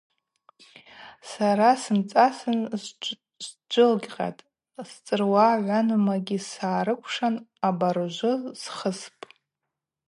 Сара самцӏасын сджвылкъьатӏ, сцӏыруа гӏванумагьи сгӏарыкӏвшан, абаружвы схыспӏ.